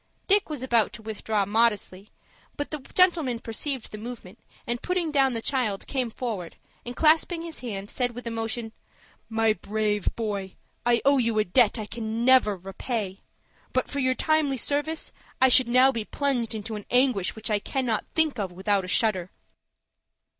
Dick was about to withdraw modestly, but the gentleman perceived the movement, and, putting down the child, came forward, and, clasping his hand, said with emotion, "My brave boy, I owe you a debt I can never repay. But for your timely service I should now be plunged into an anguish which I cannot think of without a shudder."